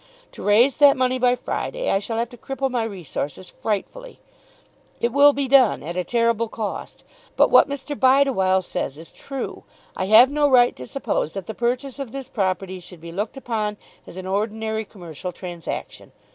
To raise that money by Friday, I shall have to cripple my resources frightfully. It will be done at a terrible cost. But what Mr. Bideawhile says is true. I have no right to suppose that the purchase of this property should be looked upon as an ordinary commercial transaction.